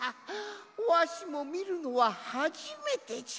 わしもみるのははじめてじゃ。